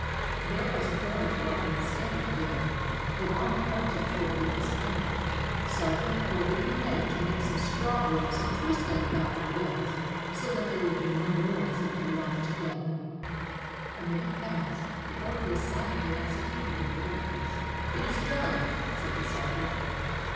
There was a forage wagon standing near; Gauvain pointed toward it with his finger. "Sergeant, order your men to make some straw ropes and twist them about their guns, so that there will be no noise if they knock together." A minute passed; the order was silently executed in the darkness. "It is done," said the sergeant.